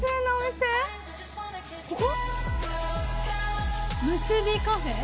ここ？